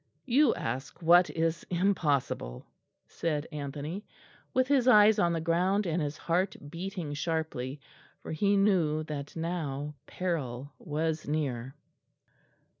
"You ask what is impossible," said Anthony, with his eyes on the ground and his heart beating sharply, for he knew that now peril was near.